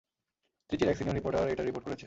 ত্রিচির এক senior reporter এইটার report করেছে।